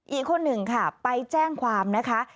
อีกคนหนึ่งค่ะไปแจ้งความนะคะ